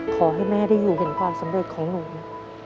ขอให้แม่ได้อยู่เห็นความสำเร็จของหนู